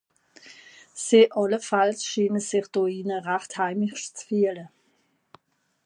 Sie àllefàlls schiine sich do hìnne rächt heimisch ze fìehle.